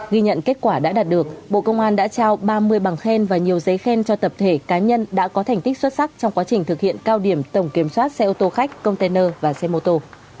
ghi nhận kết quả đã đạt được bộ công an đã trao ba mươi bằng khen và nhiều giấy khen cho tập thể cá nhân đã có thành tích xuất sắc trong quá trình thực hiện cao điểm tổng kiểm soát xe ô tô khách container và xe mô tô